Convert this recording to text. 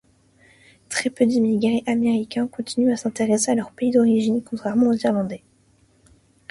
Très peu d’immigrés américains continuent à s’intéresser à leur pays d’origine, contrairement aux Irlandais.